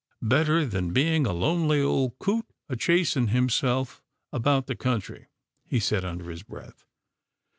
" Better than being a lonely old coot a chasing himself about the country," he said under his breath.